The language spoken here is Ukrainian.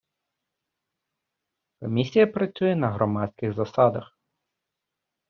Комісія працює на громадських засадах.